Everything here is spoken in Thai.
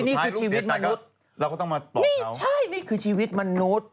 นี่คือชีวิตมนุษย์นี่คือชีวิตมนุษย์